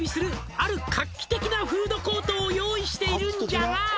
「ある画期的なフードコートを用意しているんじゃが」